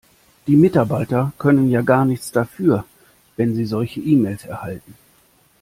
Die Mitarbeiter können ja gar nichts dafür, wenn sie solche E-Mails erhalten.